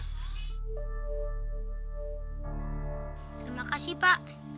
terima kasih pak